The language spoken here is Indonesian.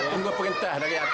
tunggu perintah dari atasan pak